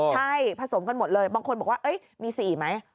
ใช่ผสมกันหมดเลยบางคนบอกว่ามี๔ไหม